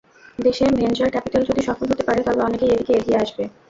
দেশে venture capital যদি সফল হতে পারে, তবে অনেকেই এদিকে এগিয়ে আসবে।